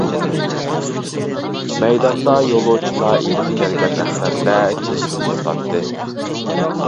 مەيداندا يولۇچىلار ئېلىپ كەلگەن ئەخلەتلەر چېچىلىپ ياتاتتى.